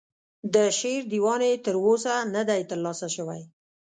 د شعر دیوان یې تر اوسه نه دی ترلاسه شوی.